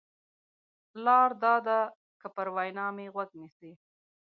لار دا ده که پر وینا مې غوږ نیسې.